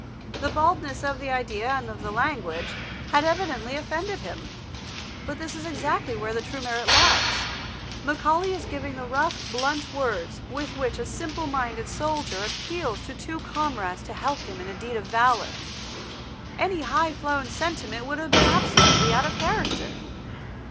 The baldness of the idea and of the language had evidently offended him. But this is exactly where the true merit lies. Macaulay is giving the rough, blunt words with which a simple minded soldier appeals to two comrades to help him in a deed of valour. Any high flown sentiment would have been absolutely out of character.